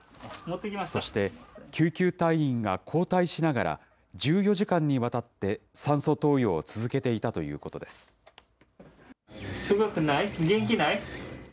そして救急隊員が交代しながら、１４時間にわたって酸素投与を続けていたということです。